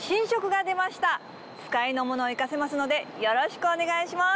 使いの者を行かせますのでよろしくお願いします。